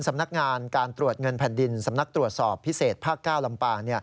สำนักงานการตรวจเงินพันธุ์ดินสำนักตรวจอศอบพิเศษภาคเกล้าลำปาก